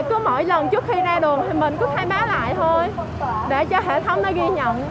cứ mỗi lần trước khi ra đường thì mình cứ khai báo lại thôi để cho hệ thống nó ghi nhận